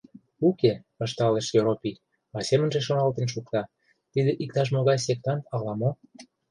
— Уке, — ышталеш Йоропий, а семынже шоналтен шукта: «Тиде иктаж-могай сектант ала-мо.